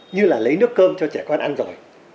như là lấy nước cơm cho trẻ con ăn rồi